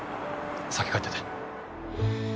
先帰ってて。